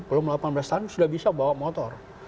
belum delapan belas tahun sudah bisa bawa motor